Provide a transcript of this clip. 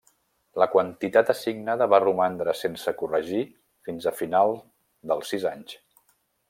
La quantitat assignada va romandre sense corregir fins al final dels sis anys.